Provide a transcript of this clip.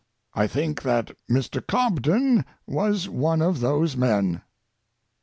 I think that Mr. Cobden was one of those men."